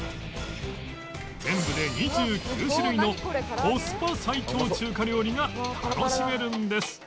全部で２９種類のコスパ最強中華料理が楽しめるんです